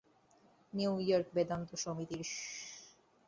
New York Vedanta সমিতির সহিত সংশ্লিষ্ট ছিলেন।